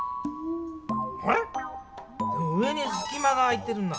あれ⁉上にすきまが空いてるな。